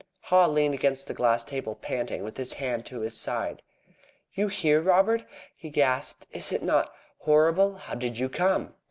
Haw leaned against the glass table panting, with his hand to his side. "You here, Robert?" he gasped. "Is it not horrible? How did you come?"